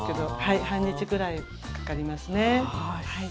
半日ぐらいかかりますね。